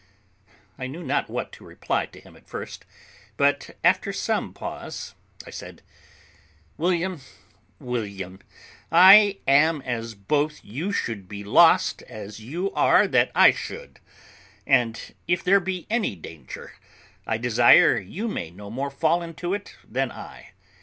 I knew not what to reply to him at first; but, after some pause, I said, "William, William, I am as loath you should be lost as you are that I should; and if there be any danger, I desire you may no more fall into it than I.